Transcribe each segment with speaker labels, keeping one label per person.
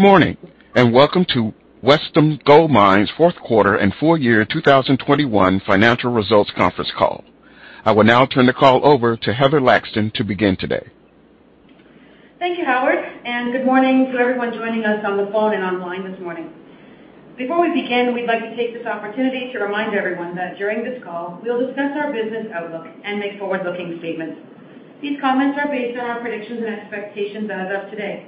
Speaker 1: Good morning, and welcome to Wesdome Gold Mines' fourth quarter and full year 2021 financial results conference call. I will now turn the call over to Heather Laxton to begin today.
Speaker 2: Thank you, Howard, and good morning to everyone joining us on the phone and online this morning. Before we begin, we'd like to take this opportunity to remind everyone that during this call, we'll discuss our business outlook and make forward-looking statements. These comments are based on our predictions and expectations as of today.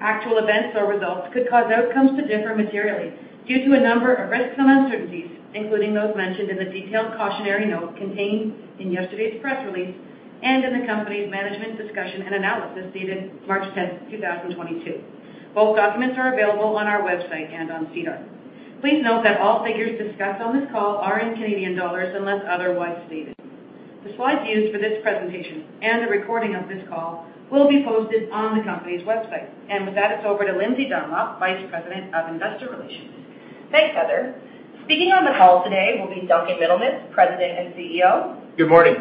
Speaker 2: Actual events or results could cause outcomes to differ materially due to a number of risks and uncertainties, including those mentioned in the detailed cautionary note contained in yesterday's press release and in the company's management discussion and analysis dated March 10th, 2022. Both documents are available on our website and on SEDAR. Please note that all figures discussed on this call are in Canadian dollars unless otherwise stated. The slides used for this presentation and a recording of this call will be posted on the company's website. With that, it's over to Lindsay Dunlop, Vice President of Investor Relations.
Speaker 3: Thanks, Heather. Speaking on the call today will be Duncan Middlemiss, President and CEO.
Speaker 4: Good morning.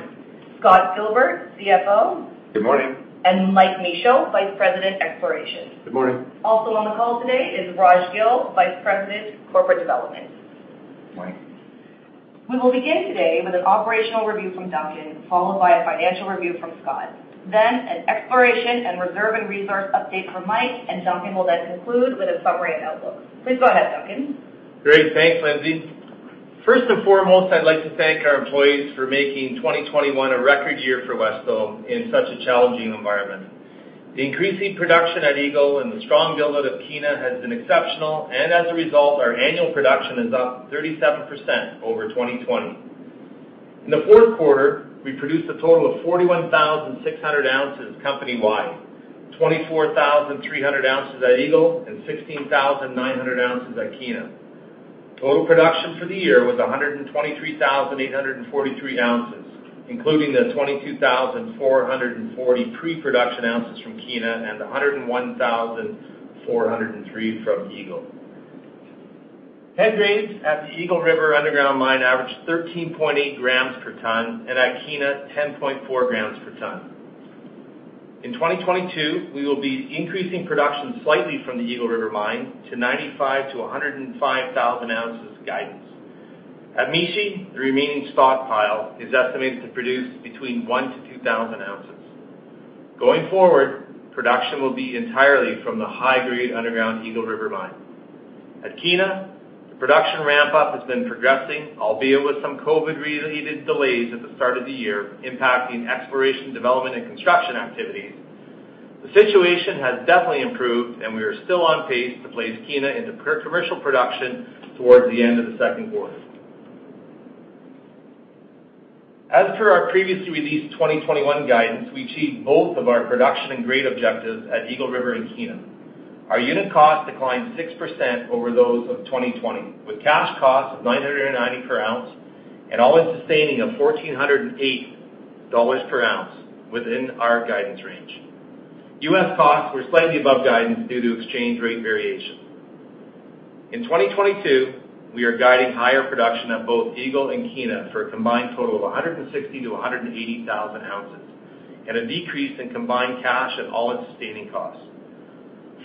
Speaker 3: Scott Gilbert, CFO.
Speaker 5: Good morning.
Speaker 3: Mike Michaud, Vice President, Exploration.
Speaker 6: Good morning.
Speaker 3: On the call today is Raj Gill, Vice President, Corporate Development.
Speaker 7: Morning.
Speaker 3: We will begin today with an operational review from Duncan, followed by a financial review from Scott, then an exploration and reserve and resource update from Mike, and Duncan will then conclude with a summary and outlook. Please go ahead, Duncan.
Speaker 4: Great. Thanks, Lindsay. First and foremost, I'd like to thank our employees for making 2021 a record year for Wesdome in such a challenging environment. The increasing production at Eagle and the strong build of Kiena has been exceptional, and as a result, our annual production is up 37% over 2020. In the fourth quarter, we produced a total of 41,600 oz company-wide, 24,300 oz at Eagle and 16,900 oz at Kiena. Total production for the year was 123,843 oz, including the 22,440 pre-production oz from Kiena and 101,403 oz from Eagle. Head grades at the Eagle River underground mine average 13.8 g per ton, and at Kiena, 10.4 g per ton. In 2022, we will be increasing production slightly from the Eagle River mine to 95,000 oz-105,000 oz guidance. At Mishi, the remaining stockpile is estimated to produce between 1,000 oz-2,000 oz. Going forward, production will be entirely from the high-grade underground Eagle River mine. At Kiena, the production ramp-up has been progressing, albeit with some COVID-related delays at the start of the year, impacting exploration, development, and construction activities. The situation has definitely improved, and we are still on pace to place Kiena into pre-commercial production towards the end of the second quarter. As per our previously released 2021 guidance, we achieved both of our production and grade objectives at Eagle River and Kiena. Our unit cost declined 6% over those of 2020, with cash cost of 990 per ounce and all-in sustaining of 1,408 dollars per ounce within our guidance range. U.S. costs were slightly above guidance due to exchange rate variations. In 2022, we are guiding higher production at both Eagle and Kiena for a combined total of 160,000 oz-180,000 oz at a decrease in combined cash and all-in sustaining costs.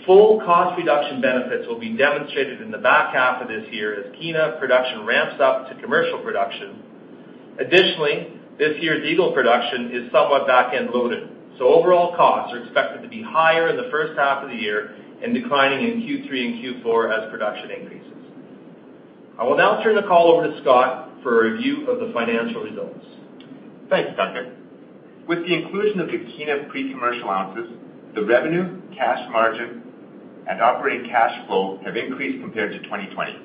Speaker 4: Full cost reduction benefits will be demonstrated in the back half of this year as Kiena production ramps up to commercial production. Additionally, this year's Eagle production is somewhat back-end loaded, so overall costs are expected to be higher in the first half of the year and declining in Q3 and Q4 as production increases. I will now turn the call over to Scott for a review of the financial results.
Speaker 5: Thanks, Duncan. With the inclusion of the Kiena pre-commercial ounces, the revenue, cash margin, and operating cash flow have increased compared to 2020.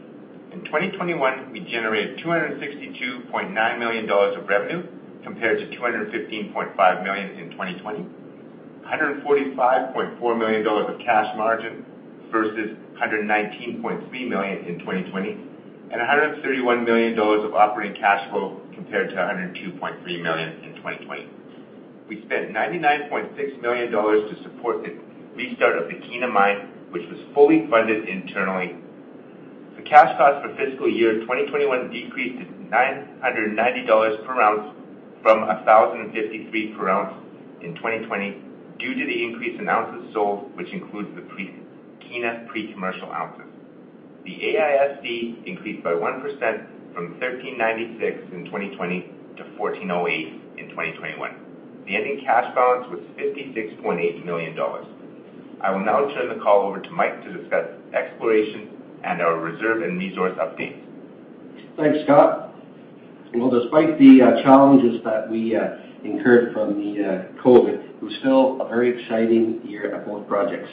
Speaker 5: In 2021, we generated 262.9 million dollars of revenue compared to 215.5 million in 2020, 145.4 million dollars of cash margin versus 119.3 million in 2020, and 131 million dollars of operating cash flow compared to 102.3 million in 2020. We spent 99.6 million dollars to support the restart of the Kiena mine, which was fully funded internally. The cash cost for fiscal year 2021 decreased to 990 dollars per ounce from 1,053 per ounce in 2020 due to the increase in ounces sold, which includes the Kiena pre-commercial ounces. The AISC increased by 1% from 1,396 in 2020 to 1,408 in 2021. The ending cash balance was 56.8 million dollars. I will now turn the call over to Mike to discuss exploration and our reserve and resource updates.
Speaker 6: Thanks, Scott. Well, despite the challenges that we incurred from the COVID, it was still a very exciting year at both projects.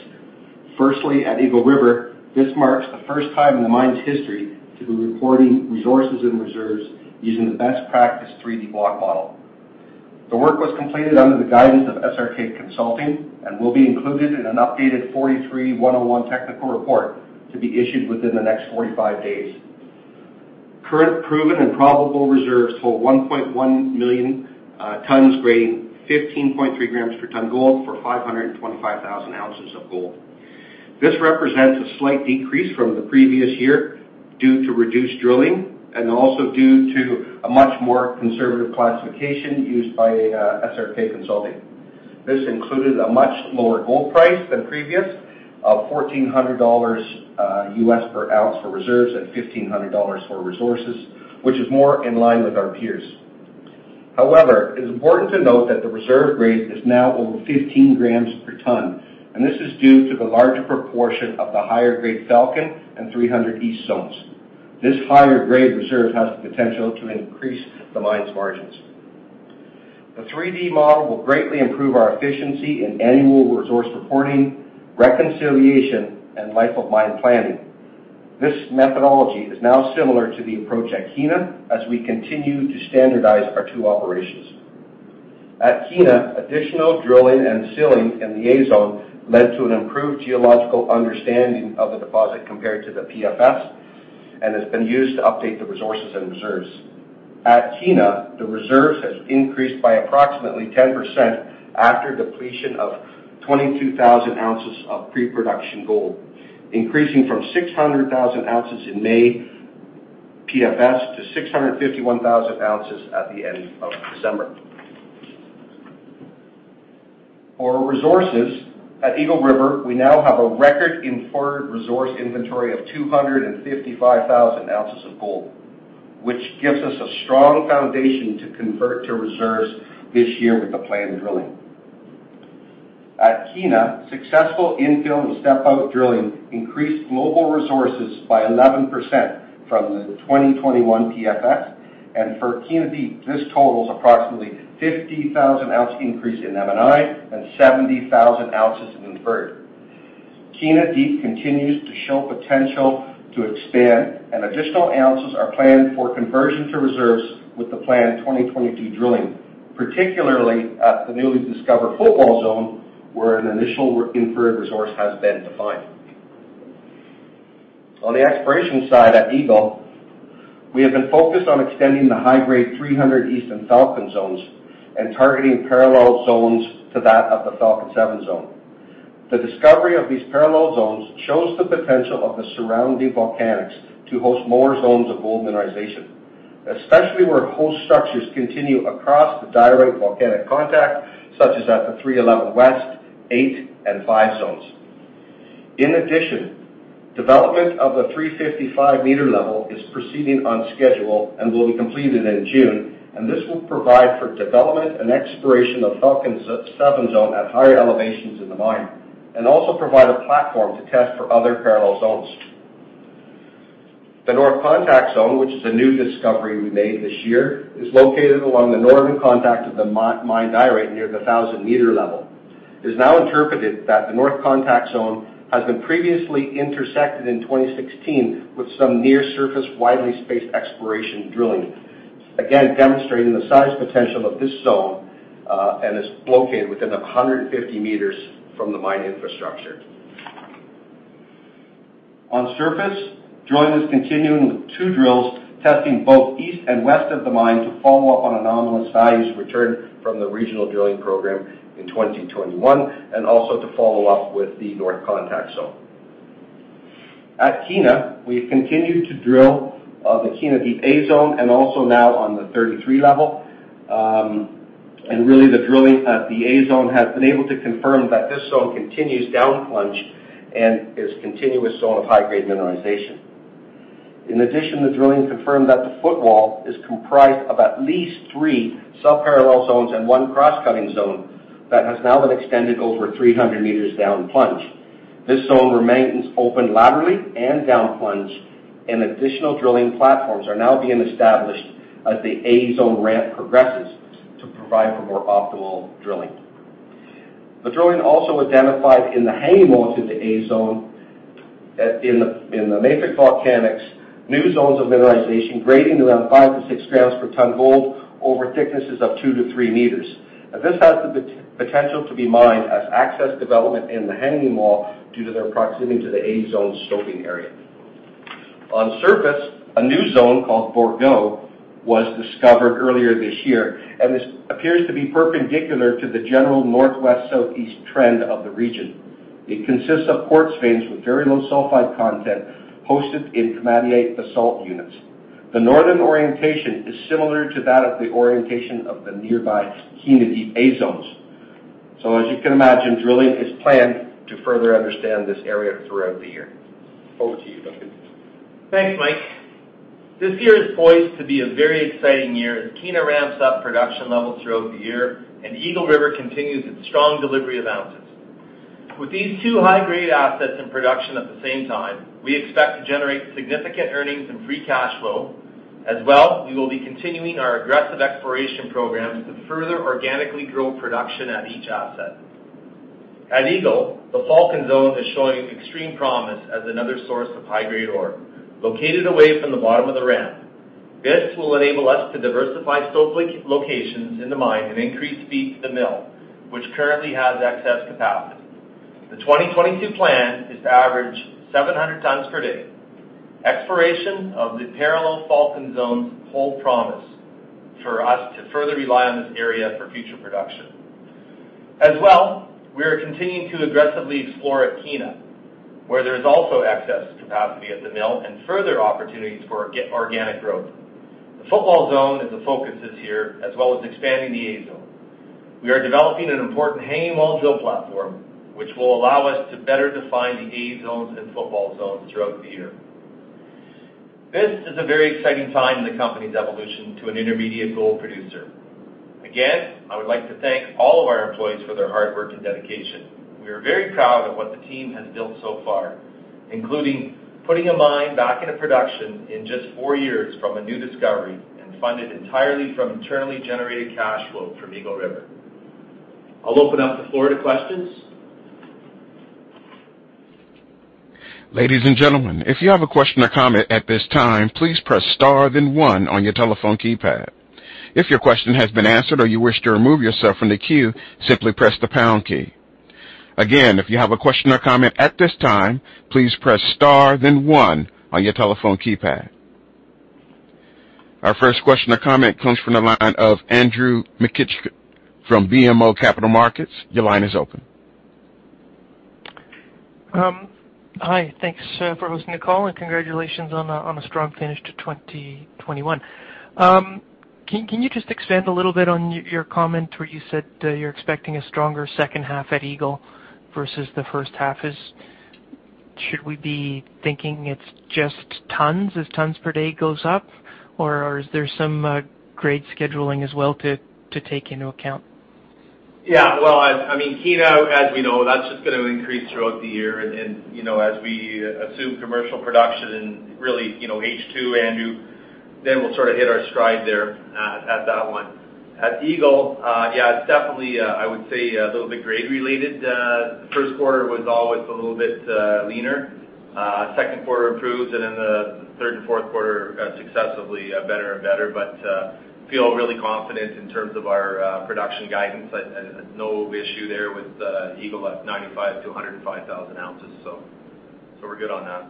Speaker 6: Firstly, at Eagle River, this marks the first time in the mine's history to be reporting resources and reserves using the best practice 3D block model. The work was completed under the guidance of SRK Consulting and will be included in an updated 43-101 technical report to be issued within the next 45 days. Current proven and probable reserves total 1.1 million tons grading 15.3 g per ton gold for 525,000 oz of gold. This represents a slight decrease from the previous year due to reduced drilling and also due to a much more conservative classification used by SRK Consulting. This included a much lower gold price than previous of $1,400 per ounce for reserves and $1,500 for resources, which is more in line with our peers. However, it is important to note that the reserve grade is now over 15 g per ton, and this is due to the larger proportion of the higher grade Falcon and 300 East zones. This higher grade reserve has the potential to increase the mine's margins. The 3D model will greatly improve our efficiency in annual resource reporting, reconciliation, and life of mine planning. This methodology is now similar to the approach at Kiena as we continue to standardize our two operations. At Kiena, additional drilling and sealing in the A Zone led to an improved geological understanding of the deposit compared to the PFS, and has been used to update the resources and reserves. At Kiena, the reserves has increased by approximately 10% after depletion of 22,000 oz of pre-production gold, increasing from 600,000 oz in May PFS to 651,000 oz at the end of December. For resources at Eagle River, we now have a record inferred resource inventory of 255,000 oz of gold, which gives us a strong foundation to convert to reserves this year with the planned drilling. At Kiena, successful infill and step out drilling increased global resources by 11% from the 2021 PFS. For Kiena Deep, this totals approximately 50,000 oz increase in M&I and 70,000 oz in inferred. Kiena Deep continues to show potential to expand, and additional ounces are planned for conversion to reserves with the planned 2022 drilling, particularly at the newly discovered Footwall Zone, where an initial inferred resource has been defined. On the exploration side at Eagle, we have been focused on extending the high grade 300 East and Falcon zones and targeting parallel zones to that of the Falcon 7 Zone. The discovery of these parallel zones shows the potential of the surrounding volcanics to host more zones of gold mineralization, especially where host structures continue across the direct volcanic contact, such as at the 311 West, 8, and 5 zones. In addition, development of the 355 m level is proceeding on schedule and will be completed in June, and this will provide for development and exploration of Falcon 7 Zone at higher elevations in the mine, and also provide a platform to test for other parallel zones. The North Contact Zone, which is a new discovery we made this year, is located along the northern contact of the mined diorite near the 1,000 m level. It is now interpreted that the North Contact Zone has been previously intersected in 2016 with some near surface, widely spaced exploration drilling. Again, demonstrating the size potential of this zone, and is located within 150 m from the mine infrastructure. On surface, drilling is continuing with two drills testing both east and west of the mine to follow up on anomalous values returned from the regional drilling program in 2021, and also to follow up with the North Contact Zone. At Kiena, we've continued to drill the Kiena Deep A Zone and also now on the 33 level. Really the drilling at the A Zone has been able to confirm that this zone continues down plunge and is continuous zone of high-grade mineralization. In addition, the drilling confirmed that the Footwall is comprised of at least three sub-parallel zones and one cross-cutting zone that has now been extended over 300 m down plunge. This zone remains open laterally and down plunge, and additional drilling platforms are now being established as the A Zone ramp progresses to provide for more optimal drilling. The drilling also identified in the hanging wall to the A Zone in the mafic volcanics new zones of mineralization grading around 5 g-6 g per ton gold over thicknesses of 2 m-3 m. This has the potential to be mined as access development in the hanging wall due to their proximity to the A Zone stoping area. On surface, a new zone called Bordeaux was discovered earlier this year, and this appears to be perpendicular to the general northwest-southeast trend of the region. It consists of quartz veins with very low sulfide content hosted in komatiite basalt units. The northern orientation is similar to that of the orientation of the nearby Kiena Deep A Zones. As you can imagine, drilling is planned to further understand this area throughout the year. Over to you, Duncan.
Speaker 4: Thanks, Mike. This year is poised to be a very exciting year as Kiena ramps up production levels throughout the year and Eagle River continues its strong delivery of ounces. With these two high-grade assets in production at the same time, we expect to generate significant earnings and free cash flow. As well, we will be continuing our aggressive exploration programs to further organically grow production at each asset. At Eagle, the Falcon Zone is showing extreme promise as another source of high-grade ore located away from the bottom of the ramp. This will enable us to diversify stoping locations in the mine and increase feed to the mill, which currently has excess capacity. The 2022 plan is to average 700 tons per day. Exploration of the parallel Falcon zones hold promise for us to further rely on this area for future production. As well, we are continuing to aggressively explore at Kiena, where there is also excess capacity at the mill and further opportunities for organic growth. The Footwall Zone is the focus this year, as well as expanding the A Zone. We are developing an important hanging wall drill platform, which will allow us to better define the A Zones and Footwall Zones throughout the year. This is a very exciting time in the company's evolution to an intermediate gold producer. Again, I would like to thank all of our employees for their hard work and dedication. We are very proud of what the team has built so far, including putting a mine back into production in just four years from a new discovery, and funded entirely from internally generated cash flow from Eagle River. I'll open up the floor to questions.
Speaker 1: Our first question or comment comes from the line of Andrew Mikitchook from BMO Capital Markets. Your line is open.
Speaker 8: Hi. Thanks for hosting the call and congratulations on a strong finish to 2021. Can you just expand a little bit on your comment where you said that you're expecting a stronger second half at Eagle versus the first half? Should we be thinking it's just tons, as tons per day goes up? Or is there some grade scheduling as well to take into account?
Speaker 4: Yeah. Well, I mean, Kiena, as we know, that's just gonna increase throughout the year and, you know, as we assume commercial production in really, you know, H2, Andrew, then we'll sort of hit our stride there at that one. At Eagle, yeah, it's definitely, I would say, a little bit grade related. The first quarter was always a little bit leaner. Second quarter improves, and then the third and fourth quarter successively better and better. I feel really confident in terms of our production guidance. No issue there with Eagle at 95,000 oz-105,000 oz. We're good on that.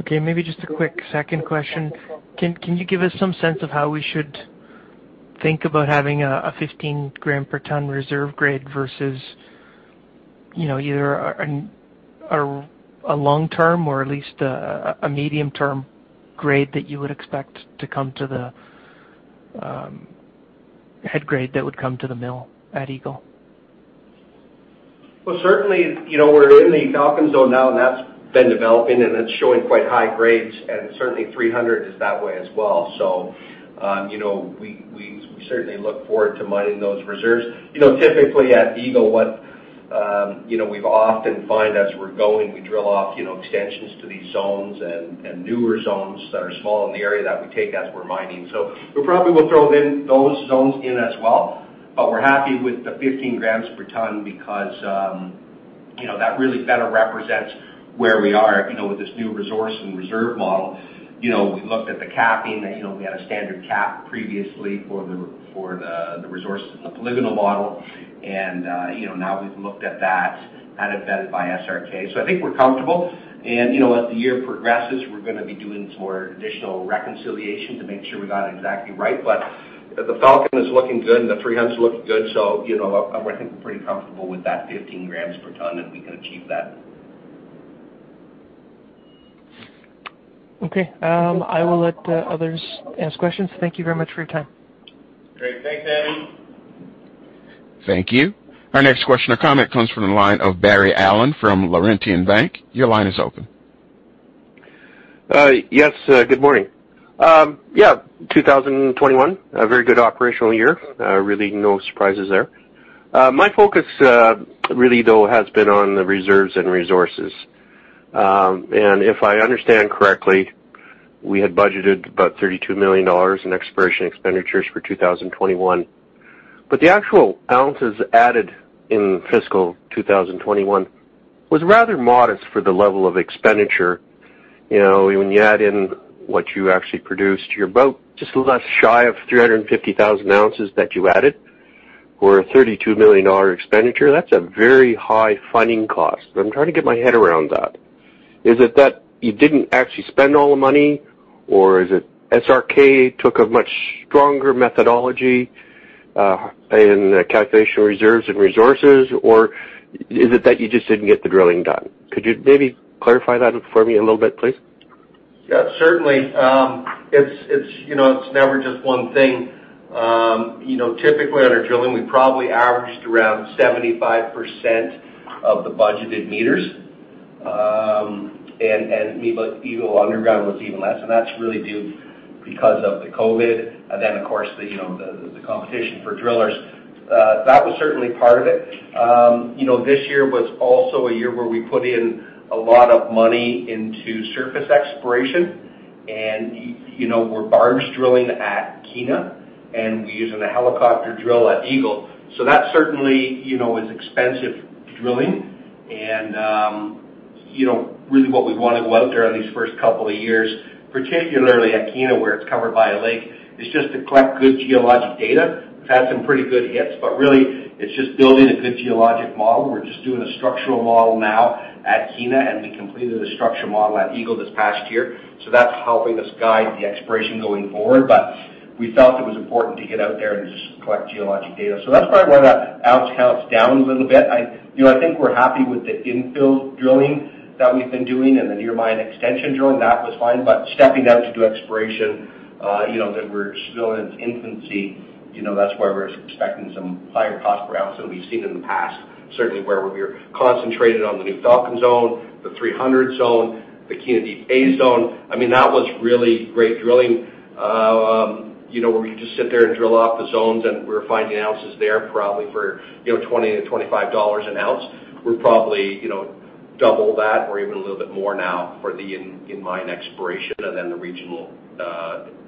Speaker 8: Okay, maybe just a quick second question. Can you give us some sense of how we should think about having a 15 g per ton reserve grade versus, you know, either a long-term or at least a medium-term grade that you would expect to come to the head grade that would come to the mill at Eagle?
Speaker 6: Well, certainly, you know, we're in the Falcon 7 Zone now, and that's been developing, and it's showing quite high grades, and certainly, 300 is that way as well. You know, we certainly look forward to mining those reserves. You know, typically, at Eagle, what you know, we've often find as we're going, we drill off, you know, extensions to these zones and newer zones that are small in the area that we take as we're mining. We probably will throw in those zones in as well, but we're happy with the 15 g per ton because, you know, that really better represents where we are, you know, with this new resource and reserve model. You know, we looked at the capping. You know, we had a standard cap previously for the resource in the polygonal model. You know, now we've looked at that, had it vetted by SRK. I think we're comfortable. You know, as the year progresses, we're gonna be doing some more additional reconciliation to make sure we got it exactly right. The Falcon is looking good, and the 300's looking good, so you know, I'm working pretty comfortable with that 15 g per ton, if we can achieve that.
Speaker 8: Okay. I will let others ask questions. Thank you very much for your time.
Speaker 4: Great. Thanks, Andrew.
Speaker 1: Thank you. Our next question or comment comes from the line of Barry Allan from Laurentian Bank. Your line is open.
Speaker 9: Yes. Good morning. Yeah, 2021, a very good operational year. Really no surprises there. My focus, really, though, has been on the reserves and resources. If I understand correctly, we had budgeted about 32 million dollars in exploration expenditures for 2021. The actual ounces added in fiscal 2021 was rather modest for the level of expenditure. You know, when you add in what you actually produced, you're about just less shy of 350,000 oz that you added for a 32 million dollar expenditure. That's a very high funding cost. I'm trying to get my head around that. Is it that you didn't actually spend all the money, or is it SRK took a much stronger methodology, in calculation reserves and resources, or is it that you just didn't get the drilling done? Could you maybe clarify that for me a little bit, please?
Speaker 6: Yeah, certainly. You know, it's never just one thing. Typically, on our drilling, we probably averaged around 75% of the budgeted meters. But Eagle underground was even less, and that's really due because of the COVID. Of course, you know, the competition for drillers. That was certainly part of it. You know, this year was also a year where we put in a lot of money into surface exploration. You know, we're barge drilling at Kiena, and we're using a helicopter drill at Eagle. That certainly, you know, is expensive drilling. You know, really what we wanted was out there on these first couple of years, particularly at Kiena, where it's covered by a lake, is just to collect good geologic data. We've had some pretty good hits, but really it's just building a good geologic model. We're just doing a structural model now at Kiena, and we completed a structural model at Eagle this past year. That's helping us guide the exploration going forward. We felt it was important to get out there and just collect geologic data. That's probably why that ounce count's down a little bit. You know, I think we're happy with the infill drilling that we've been doing and the near mine extension drilling. That was fine. Stepping out to do exploration, you know, that we're still in its infancy, you know, that's why we're expecting some higher cost per ounce than we've seen in the past. Certainly, where we were concentrated on the New Falcon Zone, the 300 Zone, the Kiena Deep A Zone. I mean, that was really great drilling, you know, where we just sit there and drill off the zones, and we're finding ounces there probably for 20-25 dollars an ounce. We're probably, you know, double that or even a little bit more now for the in-mine exploration. The regional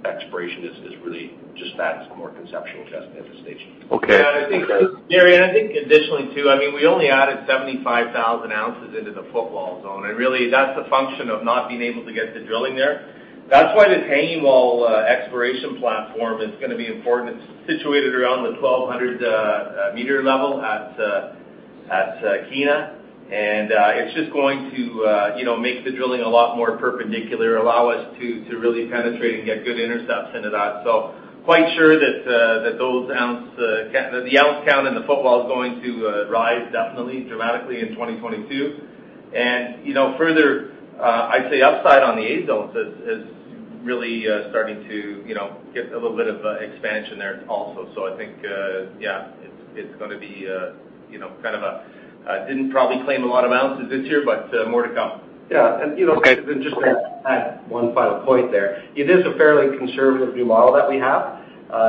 Speaker 6: exploration is really just that. It's more conceptual at this stage.
Speaker 9: Okay.
Speaker 4: Yeah, I think, Barry, and I think additionally too, I mean, we only added 75,000 oz into the Footwall Zone, and really, that's the function of not being able to get the drilling there. That's why this hanging wall exploration platform is gonna be important. It's situated around the 1,200 m level at Kiena. It's just going to, you know, make the drilling a lot more perpendicular, allow us to to really penetrate and get good intercepts into that. I'm quite sure that the ounce count in the Footwall is going to rise definitely dramatically in 2022. You know, further, I'd say upside on the A Zones is really starting to, you know, get a little bit of expansion there also. I think, yeah, it's gonna be, you know, kind of a, didn't probably claim a lot of ounces this year, but more to come.
Speaker 6: Yeah. You know, just to add one final point there. It is a fairly conservative new model that we have,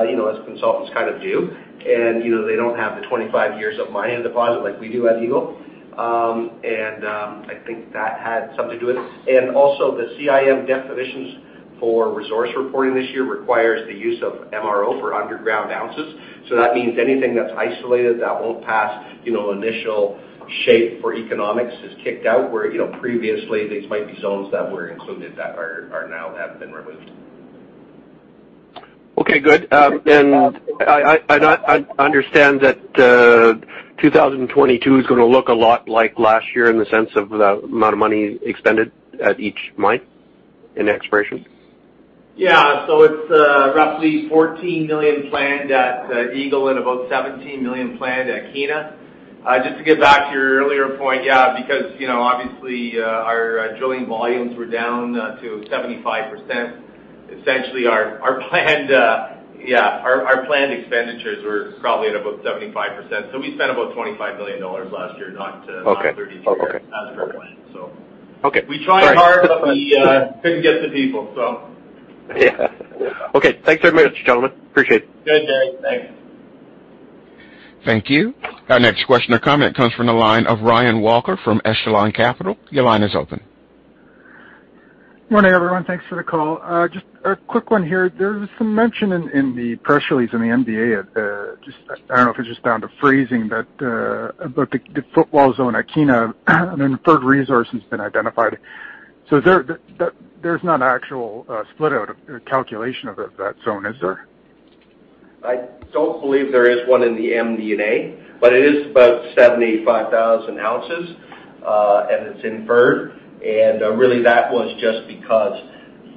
Speaker 6: you know, as consultants kind of do. You know, they don't have the 25 years of mining deposit like we do at Eagle. I think that had something to it. Also the CIM definitions for resource reporting this year requires the use of MRO for underground ounces. So that means anything that's isolated that won't pass, you know, initial shape for economics is kicked out where, you know, previously these might be zones that were included that are now have been removed.
Speaker 9: Okay, good. I understand that 2022 is gonna look a lot like last year in the sense of the amount of money expended at each mine in exploration.
Speaker 4: Yeah. It's roughly 14 million planned at Eagle and about 17 million planned at Kiena. Just to get back to your earlier point, yeah, because you know, obviously, our drilling volumes were down to 75%. Essentially our planned expenditures were probably at about 75%. We spent about 25 million dollars last year, not 32 million.
Speaker 9: Okay.
Speaker 4: As per planned.
Speaker 9: Okay.
Speaker 4: We tried hard, but we couldn't get the people, so.
Speaker 9: Yeah. Okay. Thanks very much, gentlemen. Appreciate it.
Speaker 4: Good, Barry. Thanks.
Speaker 1: Thank you. Our next question or comment comes from the line of Ryan Walker from Echelon Capital. Your line is open.
Speaker 10: Morning, everyone. Thanks for the call. Just a quick one here. There was some mention in the press release in the NDA. I don't know if it's just down to phrasing, but the Footwall Zone at Kiena, an inferred resource has been identified. There's not an actual split out of or calculation of that zone, is there?
Speaker 6: I don't believe there is one in the MD&A, but it is about 75,000 oz, and it's inferred. Really that was just because,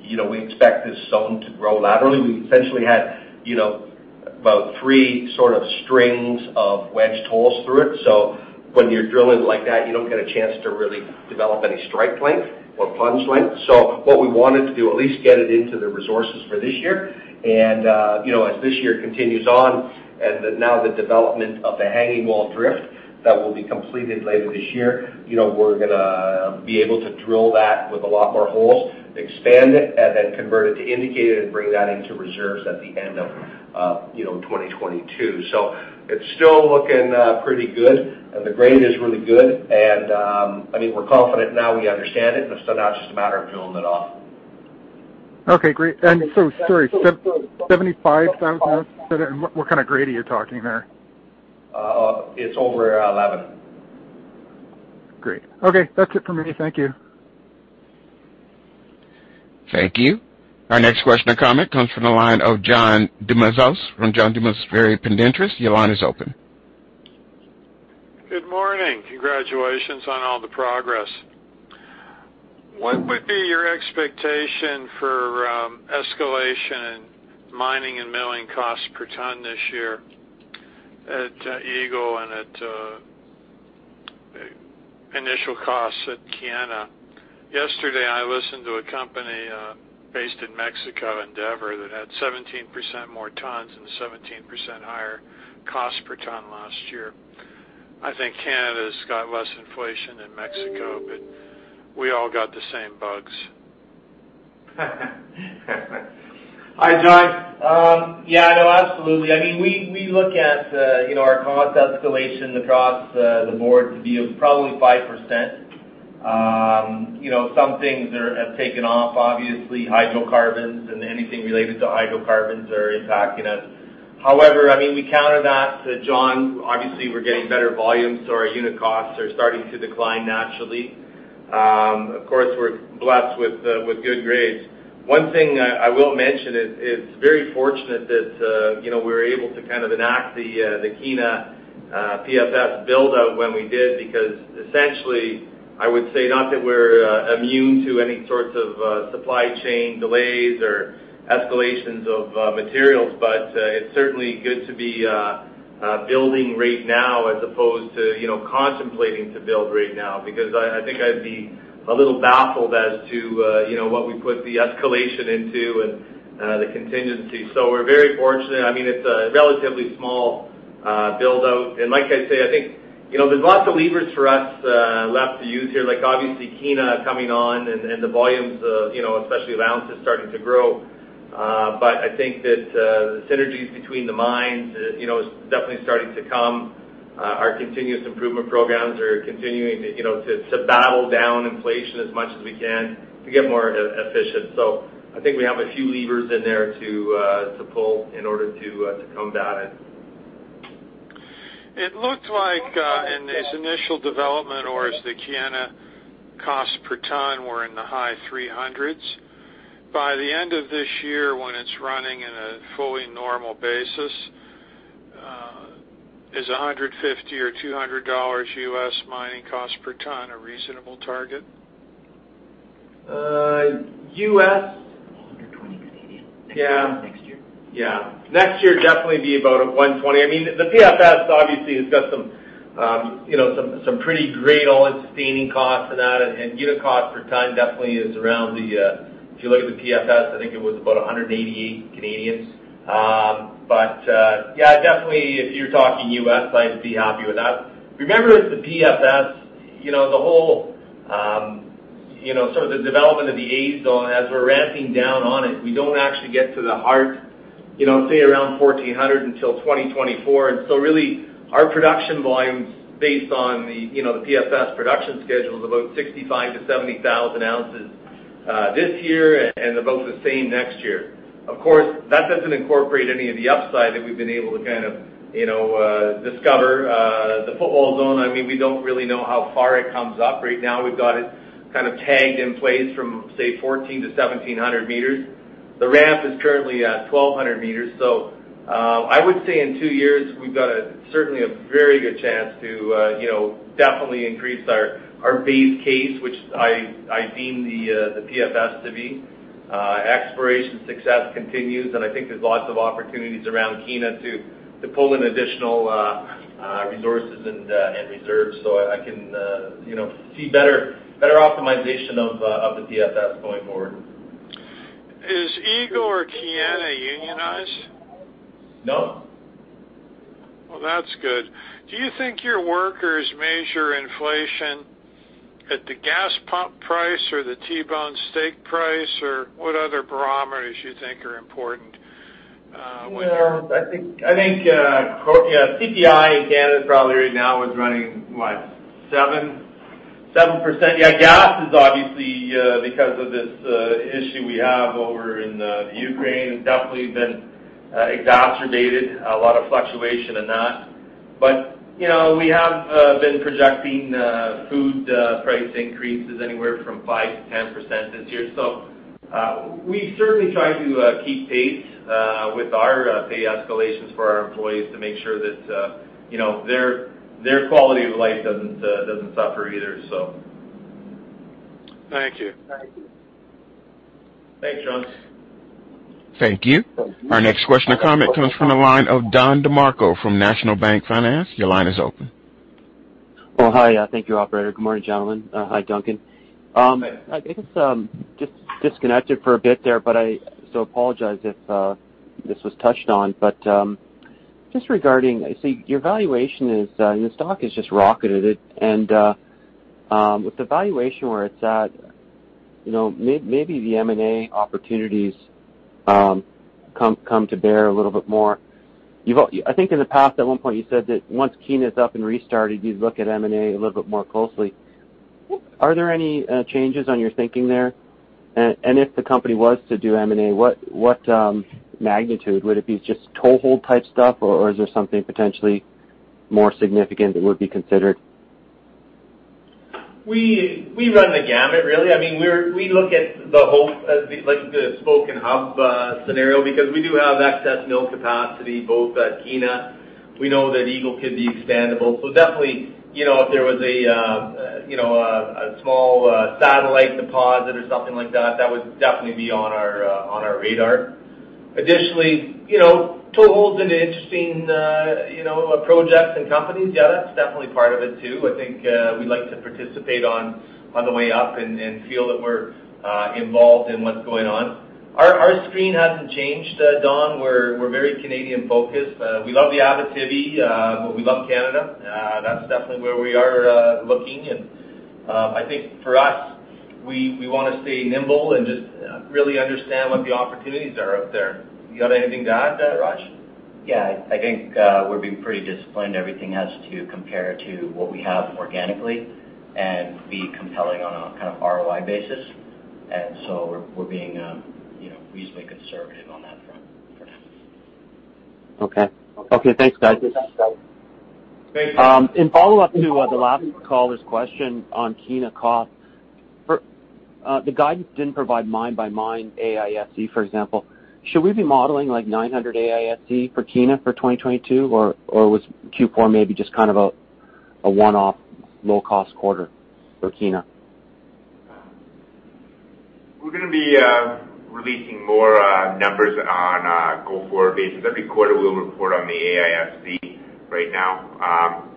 Speaker 6: you know, we expect this zone to grow laterally. We essentially had, you know, about three sort of strings of wedged holes through it. When you're drilling like that, you don't get a chance to really develop any strike length or plunge length. What we wanted to do, at least get it into the resources for this year. You know, as this year continues on and the development of the hanging wall drift that will be completed later this year, you know, we're gonna be able to drill that with a lot more holes, expand it, and then convert it to indicated and bring that into reserves at the end of, you know, 2022. It's still looking pretty good, and the grade is really good. I mean, we're confident now we understand it, but so now it's just a matter of drilling it off.
Speaker 10: Okay, great. Sorry, 75,000 oz. What kind of grade are you talking there?
Speaker 6: It's over 11.
Speaker 10: Great. Okay. That's it for me. Thank you.
Speaker 1: Thank you. Our next question or comment comes from the line of John Tumazos from John Tumazos Very Independent Research. Your line is open.
Speaker 11: Good morning. Congratulations on all the progress. What would be your expectation for escalation in mining and milling costs per ton this year at Eagle and at initial costs at Kiena? Yesterday, I listened to a company based in Mexico, Endeavour, that had 17% more tons and 17% higher cost per ton last year. I think Canada's got less inflation than Mexico, but we all got the same bugs.
Speaker 4: Hi, John. Yeah, no, absolutely. I mean, we look at, you know, our cost escalation across the board to be of probably 5%. You know, some things have taken off, obviously hydrocarbons and anything related to hydrocarbons are impacting us. However, I mean, we counter that, John, obviously, we're getting better volumes, so our unit costs are starting to decline naturally. Of course, we're blessed with good grades. One thing I will mention is very fortunate that, you know, we were able to kind of enact the Kiena. PFS build out when we did, because essentially, I would say, not that we're immune to any sorts of supply chain delays or escalations of materials, but it's certainly good to be building right now as opposed to, you know, contemplating to build right now. Because I think I'd be a little baffled as to, you know, what we put the escalation into and the contingency. We're very fortunate. I mean, it's a relatively small build-out. Like I say, I think, you know, there's lots of levers for us left to use here, like, obviously, Kiena coming on and the volumes of, you know, especially the ounces starting to grow. I think that the synergies between the mines, you know, is definitely starting to come. Our continuous improvement programs are continuing to, you know, to battle down inflation as much as we can to get more efficient. I think we have a few levers in there to pull in order to combat it.
Speaker 11: It looked like, in this initial development, or as the Kiena cost per ton were in the high 300s. By the end of this year, when it's running in a fully normal basis, is $150 or $200 U.S. mining cost per ton a reasonable target?
Speaker 4: U.S.?
Speaker 7: CAD 120 Canadian.
Speaker 4: Yeah.
Speaker 7: Next year.
Speaker 4: Yeah. Next year definitely be about 120. I mean, the PFS obviously has got some pretty great all-in sustaining costs and that. Unit cost per ton definitely is around the if you look at the PFS, I think it was about 188. But yeah, definitely if you're talking U.S., I'd be happy with that. Remember, it's the PFS, you know, the whole sort of the development of the A zone as we're ramping down on it, we don't actually get to the heart, you know, say, around 1,400 until 2024. So really, our production volumes based on the you know, the PFS production schedule is about 65,000 oz-70,000 oz this year and about the same next year. Of course, that doesn't incorporate any of the upside that we've been able to kind of, you know, discover, the Footwall Zone. I mean, we don't really know how far it comes up. Right now, we've got it kind of tagged in place from, say, 1,400 m-1,700 m. The ramp is currently at 1,200 m. I would say in two years, we've got certainly a very good chance to, you know, definitely increase our our base case, which I deem the the PFS to be. Exploration success continues, and I think there's lots of opportunities around Kiena to to pull in additional resources and and reserves, so I can, you know, see better optimization of of the PFS going forward.
Speaker 11: Is Eagle or Kiena unionized?
Speaker 4: No.
Speaker 11: Well, that's good. Do you think your workers measure inflation at the gas pump price or the T-bone steak price, or what other barometers you think are important?
Speaker 4: Well, I think yeah, CPI in Canada probably right now is running 7%. Gas is obviously because of this issue we have over in the Ukraine, it's definitely been exacerbated, a lot of fluctuation in that. You know, we have been projecting food price increases anywhere from 5%-10% this year. We've certainly tried to keep pace with our pay escalations for our employees to make sure that you know, their quality of life doesn't suffer either, so.
Speaker 11: Thank you.
Speaker 4: Thanks, John.
Speaker 1: Thank you. Our next question or comment comes from the line of Don DeMarco from National Bank Financial. Your line is open.
Speaker 12: Oh, hi. Thank you, operator. Good morning, gentlemen. Hi, Duncan. I guess just disconnected for a bit there, but I so apologize if this was touched on. Just regarding, I see your valuation is and the stock has just rocketed. With the valuation where it's at, you know, maybe the M&A opportunities come to bear a little bit more. I think in the past, at one point you said that once Kiena's up and restarted, you'd look at M&A a little bit more closely. Are there any changes on your thinking there? If the company was to do M&A, what magnitude? Would it be just toe hold type stuff, or is there something potentially more significant that would be considered?
Speaker 4: We run the gamut, really. I mean, we look at the whole, like, the spoke and hub scenario because we do have excess mill capacity both at Kiena. We know that Eagle could be expandable. So definitely, you know, if there was a small satellite deposit or something like that would definitely be on our radar. Additionally, you know, toe hold in interesting projects and companies. Yeah, that's definitely part of it too. I think, we like to participate on the way up and feel that we're involved in what's going on. Our screen hasn't changed, Don. We're very Canadian-focused. We love the Abitibi, but we love Canada. That's definitely where we are looking. I think for us, we wanna stay nimble and just really understand what the opportunities are out there. You got anything to add, Raj?
Speaker 7: Yeah. I think we're being pretty disciplined. Everything has to compare to what we have organically and be compelling on a kind of ROI basis. We're being, you know, reasonably conservative on that front for now.
Speaker 12: Okay. Okay, thanks, guys.
Speaker 4: Thanks.
Speaker 12: In follow-up to the last caller's question on Kiena costs for, the guidance didn't provide mine by mine AISC, for example. Should we be modeling like 900 AISC for Kiena for 2022 or was Q4 maybe just kind of a one-off low cost quarter for Kiena?
Speaker 5: We're gonna be releasing more numbers on a go-forward basis. Every quarter, we'll report on the AISC right now.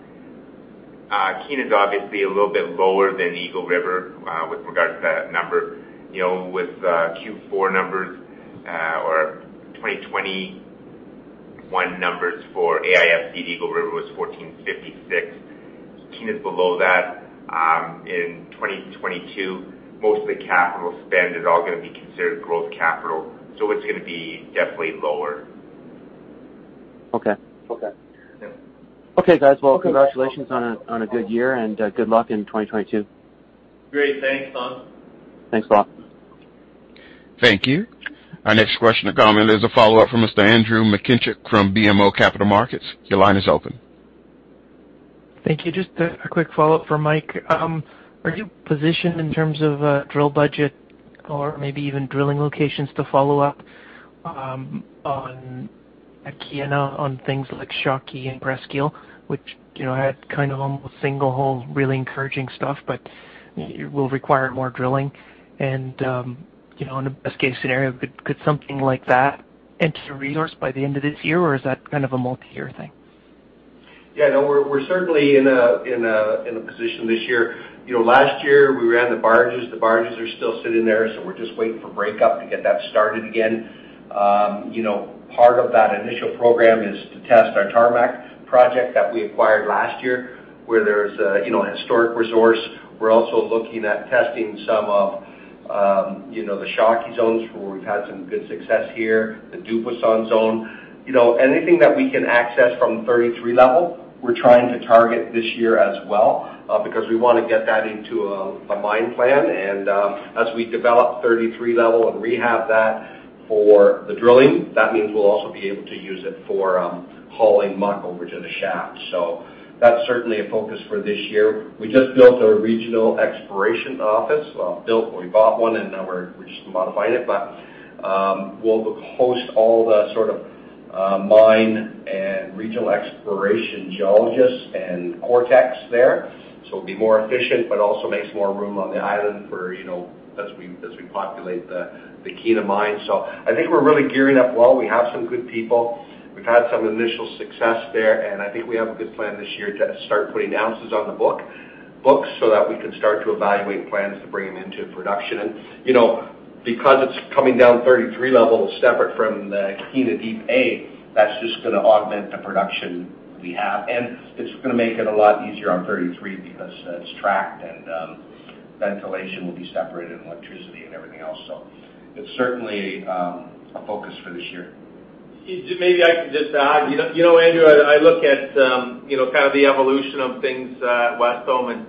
Speaker 5: Kiena is obviously a little bit lower than Eagle River with regards to that number. You know, with Q4 numbers or 2021 numbers for AISC, Eagle River was 1,456. Kiena is below that. In 2022, most of the capital spend is all gonna be considered growth capital, so it's gonna be definitely lower.
Speaker 12: Okay. Okay.
Speaker 4: Yeah.
Speaker 12: Okay, guys. Well, congratulations on a good year, and good luck in 2022.
Speaker 5: Great. Thanks, Don.
Speaker 12: Thanks, Scott.
Speaker 1: Thank you. Our next question and comment is a follow-up from Mr. Andrew Mikitchook from BMO Capital Markets. Your line is open.
Speaker 8: Thank you. Just a quick follow-up for Mike. Are you positioned in terms of drill budget or maybe even drilling locations to follow up on at Kiena on things like Shawkey and Presqu'île, which, you know, had kind of almost single hole, really encouraging stuff, but it will require more drilling. You know, in a best case scenario, could something like that enter the resource by the end of this year, or is that kind of a multiyear thing?
Speaker 6: Yeah, no, we're certainly in a position this year. You know, last year, we ran the barges. The barges are still sitting there, so we're just waiting for breakup to get that started again. You know, part of that initial program is to test our Tarmac project that we acquired last year, where there's a historic resource. We're also looking at testing some of, you know, the Shawkey Zones where we've had some good success here, the Dubuisson Zone. You know, anything that we can access from 33 level, we're trying to target this year as well, because we wanna get that into a mine plan. As we develop 33 level and rehab that for the drilling, that means we'll also be able to use it for hauling muck over to the shaft. That's certainly a focus for this year. We just bought a regional exploration office, and now we're just modifying it. We'll host all the sort of mine and regional exploration geologists and cortex there. It'll be more efficient, but also makes more room on the island for, you know, as we populate the Kiena Mine. I think we're really gearing up well. We have some good people. We've had some initial success there, and I think we have a good plan this year to start putting ounces on the books so that we can start to evaluate plans to bring them into production. You know, because it's coming down 33 level, separate from the Kiena Deep A, that's just gonna augment the production we have. It's gonna make it a lot easier on 33 because it's tracked, and ventilation will be separated and electricity and everything else. It's certainly a focus for this year.
Speaker 4: Maybe I can just add. You know, Andrew, I look at you know, kind of the evolution of things at Wesdome, and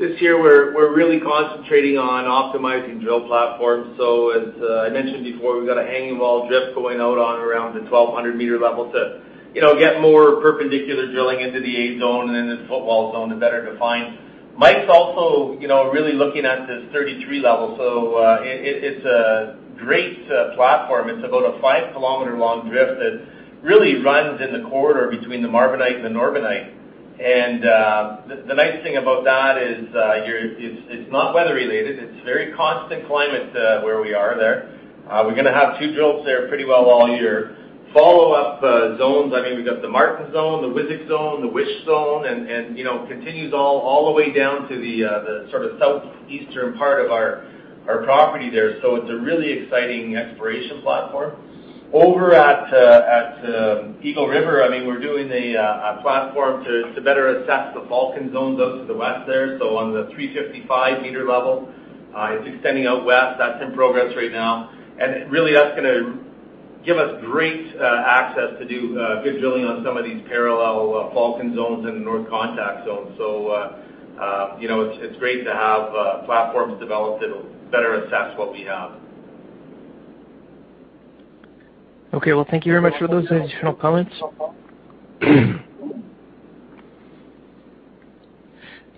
Speaker 4: this year, we're really concentrating on optimizing drill platforms. As I mentioned before, we've got a hanging wall drift going out on around the 1,200-m level to you know, get more perpendicular drilling into the A Zone and in the Footwall Zone to better define. Mike's also you know, really looking at this 33 level. It’s a great platform. It's about a 5-km-long drift that really runs in the corridor between the Marbenite and the Norbenite. The nice thing about that is it’s not weather related. It's very constant climate where we are there. We're gonna have two drills there pretty well all year. Follow-up zones, I mean, we've got the Martin Zone, the Wisik Zone, the Wish Zone, and you know, continues all the way down to the sort of southeastern part of our property there. It's a really exciting exploration platform. Over at Eagle River, I mean, we're doing a platform to better assess the Falcon Zones out to the west there. So on the 355-meter level, it's extending out west. That's in progress right now. Really, that's gonna give us great access to do good drilling on some of these parallel Falcon Zones and the North Contact Zone. So you know, it's great to have platforms developed that'll better assess what we have.
Speaker 8: Okay. Well, thank you very much for those additional comments.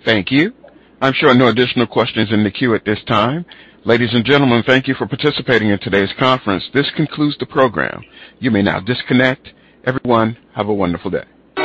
Speaker 1: Thank you. I'm showing no additional questions in the queue at this time. Ladies and gentlemen, thank you for participating in today's conference. This concludes the program. You may now disconnect. Everyone, have a wonderful day.